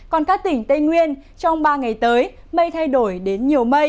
còn các tỉnh tây nguyên trong ba ngày tới mây thay đổi đến nhiều mây